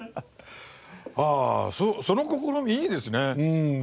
ああその試みいいですね。